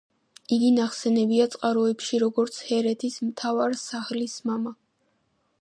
იგი ნახსენებია წყაროებში, როგორც ჰერეთის მთავარ საჰლის მამა.